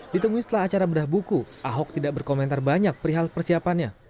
ditemui setelah acara bedah buku ahok tidak berkomentar banyak perihal persiapannya